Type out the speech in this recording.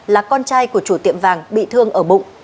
là con trai của chủ tiệm vàng bị thương ở bụng